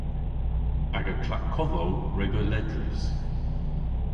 Aga klapkodhow re beu ledrys.